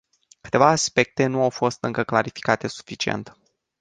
Câteva aspecte nu au fost încă clarificate suficient.